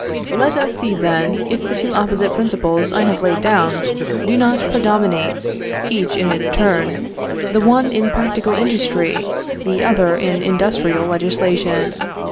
Let us see then, if the two opposite principles I have laid down do not predominate, each in its turn; the one in practical industry, the other in industrial legislation.